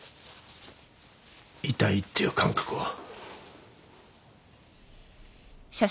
痛いっていう感覚を。